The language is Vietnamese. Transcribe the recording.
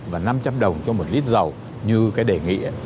và năm trăm linh đồng cho một lít dầu như cái đề nghị